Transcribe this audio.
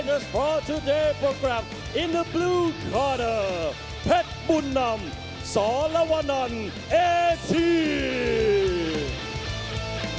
ในสถานีสองพรรดิเพชรบุญนำสรวนรวนเอทีน